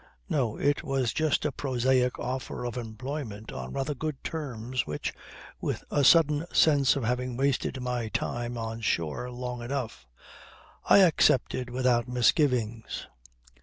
No, it was just a prosaic offer of employment on rather good terms which, with a sudden sense of having wasted my time on shore long enough, I accepted without misgivings.